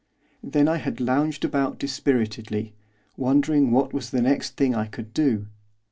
Then I had lounged about dispiritedly, wondering what was the next thing I could do.